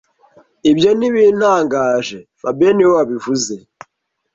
Ibyo ntibintangaje fabien niwe wabivuze (